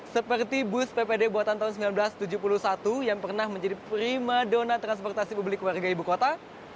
seperti bus ppd buatan tahun seribu sembilan ratus tujuh puluh satu yang pernah menjadi prima dona transportasi publik warga ibu kota